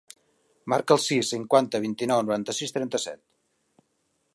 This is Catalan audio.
Marca el sis, cinquanta, vint-i-nou, noranta-sis, trenta-set.